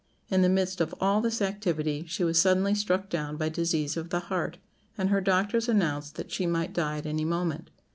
In the midst of all this activity she was suddenly struck down by disease of the heart, and her doctors announced that she might die at any moment.